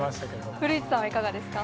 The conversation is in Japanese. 古市さんはいかがですか？